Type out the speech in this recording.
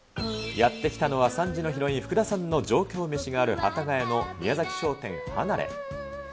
やって来たのは３時のヒロイン・福田さんの上京メシがある幡ヶ谷のみやざき商店はなれ。